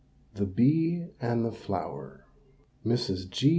THE BEE AND THE FLOWER. MRS.